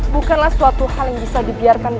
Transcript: bukanlah suatu hal yang bisa dibiarkan